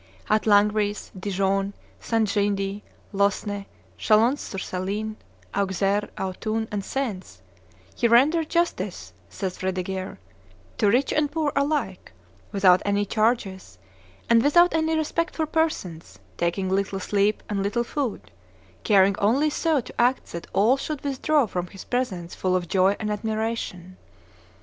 At Langres, Dijon, St. Jean de, Losne, Chalons sur Saline, Auxerre, Autun, and Sens, "he rendered justice," says Fredegaire, "to rich and poor alike, without any charges, and without any respect of persons, taking little sleep and little food, caring only so to act that all should withdraw from his presence full of joy and admiration."